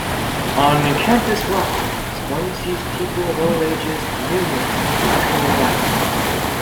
On campus walkways, one sees people of all ages and numerous cultural backgrounds.